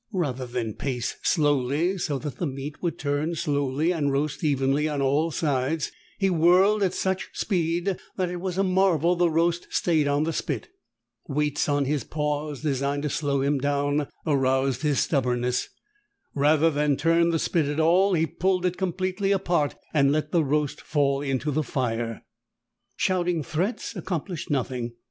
Rather than pace slowly, so that the meat would turn slowly and roast evenly on all sides, he whirled at such speed that it was a marvel the roast stayed on the spit. Weights on his paws, designed to slow him down, aroused his stubbornness. Rather than turn the spit at all, he pulled it completely apart and let the roast fall into the fire. Shouting threats accomplished nothing.